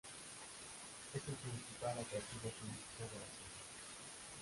Es el principal atractivo turístico de la zona.